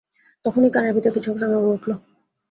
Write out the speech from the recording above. তখনই কানের ভেতর কিছু একটা নড়ে উঠল।